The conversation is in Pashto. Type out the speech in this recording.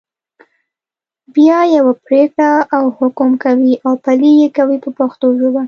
بیا یوه پرېکړه او حکم کوي او پلي یې کوي په پښتو ژبه.